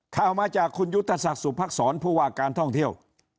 ข่าวมาจากคุณยุทธศักดิ์สุภักษรผู้ว่าการท่องเที่ยว